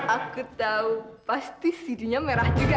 aku tau pasti sidinya merah juga ya